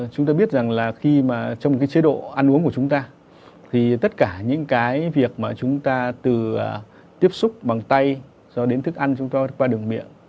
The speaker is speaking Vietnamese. chúng ta biết rằng trong chế độ ăn uống của chúng ta tất cả những việc mà chúng ta từ tiếp xúc bằng tay cho đến thức ăn qua đường miệng